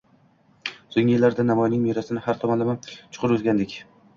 Soʻnggi yillarda Navoiyning merosini har tomonlama chuqur oʻrgandik